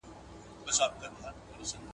ورزش انسان له بدو کارونو څخه ساتي.